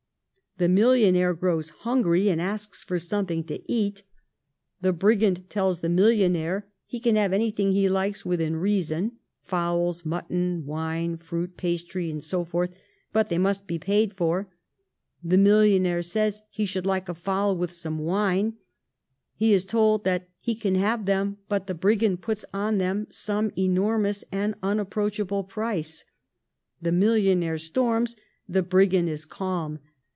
The millionaire grows hungry and asks for something to eat. The brigand tells the millionaire he can 2/6 THE STORY OF GLADSTONE'S LIFE have anything he likes within reason — fowls, mutton, wine, fruit, pastry, and so forth, but they must be paid for. The millionaire says he should like a fowl with some wine. He is told that he can have them, but the brigand puts on them some enormous and unapproachable price. The millionaire storms, the brigand is calm.